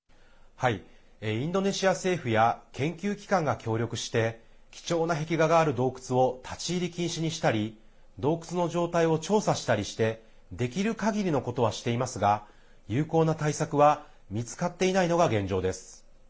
インドネシア政府や研究機関が協力して貴重な壁画がある洞窟を立ち入り禁止にしたり洞窟の状態を調査したりしてできるかぎりのことはしていますが有効な対策は見つかっていないのが現状です。